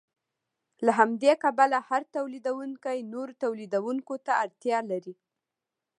له همدې کبله هر تولیدونکی نورو تولیدونکو ته اړتیا لري